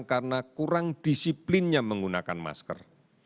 karena kurang disiplinnya menggunakan masker